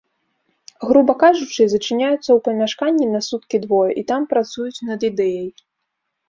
Груба кажучы, зачыняюцца ў памяшканні на суткі-двое і там працуюць над ідэяй.